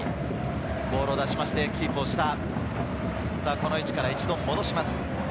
この位置から、一度戻します。